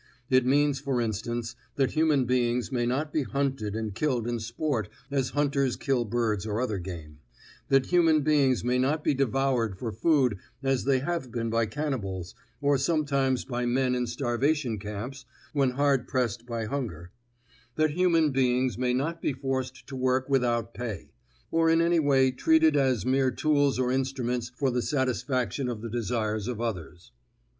It means, for instance, that human beings may not be hunted and killed in sport as hunters kill birds or other game; that human beings may not be devoured for food as they have been by cannibals or sometimes by men in starvation camps when hard pressed by hunger; that human beings may not be forced to work without pay, or in any way treated as mere tools or instruments for the satisfaction of the desires of others.